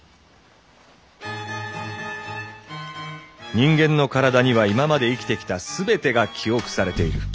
人間の体には今まで生きてきた全てが記憶されている。